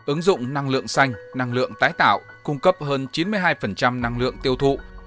ứng dụng năng lượng xanh năng lượng tái tạo cung cấp hơn chín mươi hai năng lượng tiêu thụ